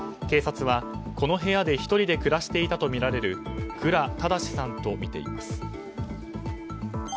警察はこの部屋で１人で暮らしていたとみられる倉正さんとみています。